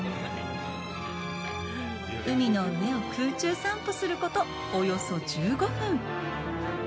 海の上を空中散歩することおよそ１５分。